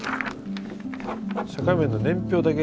社会面の年表だけ。